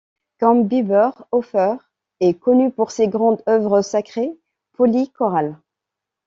Comme Biber, Hofer est connu pour ses grandes œuvres sacrées polychorales.